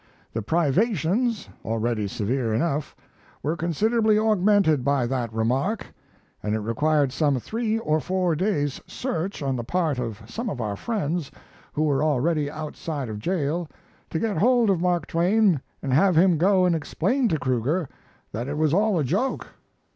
The privations, already severe enough, were considerably augmented by that remark, and it required some three or four days' search on the part of some of our friends who were already outside of jail to get hold of Mark Twain and have him go and explain to Kruger that it was all a joke."